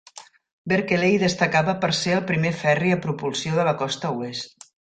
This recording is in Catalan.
"Berkeley" destacava per ser el primer ferri a propulsió de la costa oest.